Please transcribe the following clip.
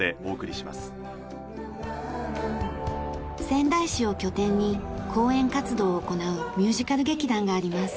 仙台市を拠点に公演活動を行うミュージカル劇団があります。